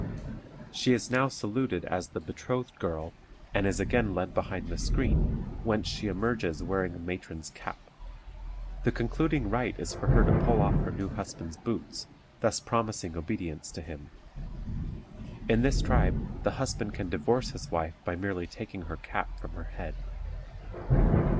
She is now saluted as the "betrothed girl," and is again led behind the screen, whence she emerges wearing a matron's cap. The concluding rite is for her to pull off her new husband's boots, thus promising obedience to him. In this tribe the husband can divorce his wife by merely taking her cap from her head.